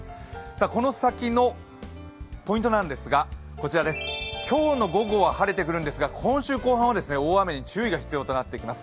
この先のポイントなんですが今日の午後は晴れてくるんですが、今週後半は大雨に注意が必要となってきます。